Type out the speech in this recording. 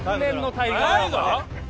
大河！？